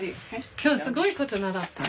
今日すごいこと習った。